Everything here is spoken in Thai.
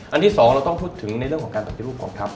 ที่สองเราต้องพูดถึงในเรื่องของการปฏิรูปกองทัพ